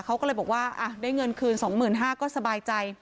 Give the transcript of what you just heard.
เขาก็เลยบอกว่าได้เงินคืน๒๕๐๐ก็สบายใจ